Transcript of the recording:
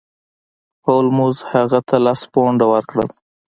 هولمز هغه ته لس پونډه ورکړل.